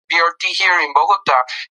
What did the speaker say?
ماشین زده کړه د معلوماتو تحلیل آسانه کوي.